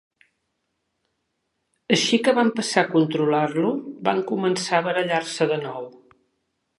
Així que van passar a controlar-lo, van començar a barallar-se de nou.